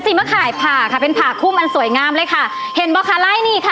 สีมะข่ายผ่าเป็นผ่าคุ้มอันสวยงามเลยค่ะ